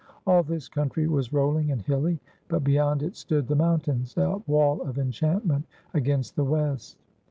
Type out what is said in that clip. All this country was rolling and hilly, but beyond it stood the mountains, a wall of enchantment, against the west.